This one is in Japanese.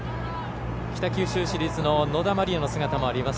北九州市立の野田真理耶の姿もあります。